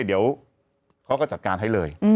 ปุ๊บเนี่ยเขาก็จัดการให้เลย